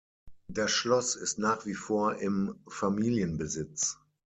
Das Schloss ist nach wie vor im Familienbesitz.